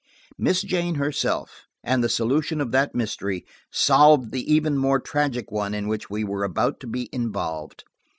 Miss Jane herself, and the solution of that mystery, solved the even more tragic one in which we were about to be involved.